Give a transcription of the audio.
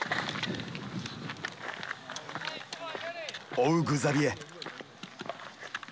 追うグザビエ。